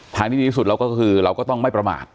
ทางที่ดีที่สุดเราก็คือเราก็ต้องไม่ประมาท